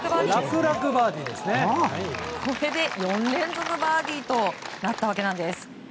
これで４連続バーディーとなったわけなんです。